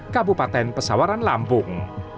kabupaten pesawaran lampung